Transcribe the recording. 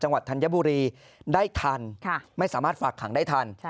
ธัญบุรีได้ทันไม่สามารถฝากขังได้ทัน